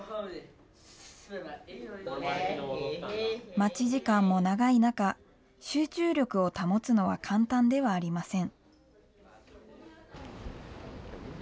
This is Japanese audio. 待ち時間も長い中、集中力を保つのは簡単ではありません。